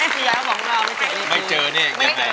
พี่ยายเขาบอกว่าไม่เจอเนี่ย